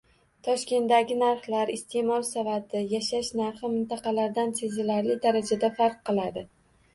Toshkentdagi narxlar, iste'mol savati, yashash narxi mintaqalardan sezilarli darajada farq qiladi